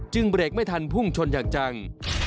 เบรกไม่ทันพุ่งชนอย่างจัง